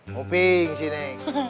moping sih nek